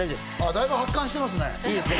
だいぶ発汗してますね。